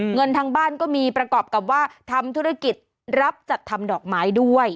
เงินทางบ้านก็มีประกอบกับว่าทำธุรกิจรับจัดทำดอกไม้ด้วย